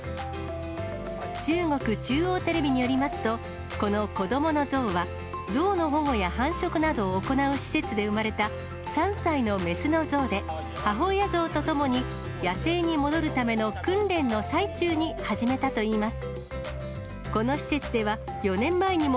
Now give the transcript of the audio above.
中国中央テレビによりますと、この子どものゾウは、ゾウの保護や繁殖などを行う施設で産まれた３歳の雌のゾウで、母親ゾウと共に野生に戻るための訓練の最中に始めたといいます。